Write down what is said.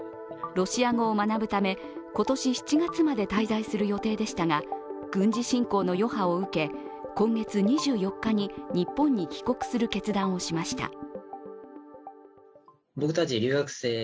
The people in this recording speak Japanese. ロシア語を学ぶため今年７月まで滞在する予定でしたが軍事侵攻の余波を受け今月２４日に日本に帰国する決断をしました。